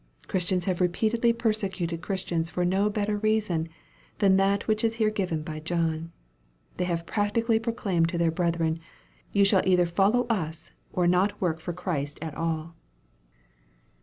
Christians have repeatedly persecuted Christians for no better reason than that which is here given by John. They have practically proclaimed to their brethren, "you shall either follow us, or not work for Christ at all."